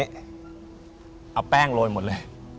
เอาแป้งโรยหมดเลย